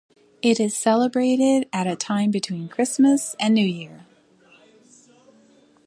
It is celebrated at a time between Christmas and New Year.